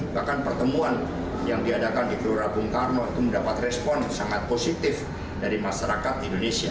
bahkan pertemuan yang diadakan di gelora bung karno itu mendapat respon sangat positif dari masyarakat indonesia